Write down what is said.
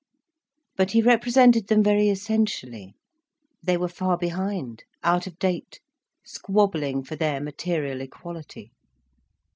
But he represented them very essentially, they were far behind, out of date, squabbling for their material equality.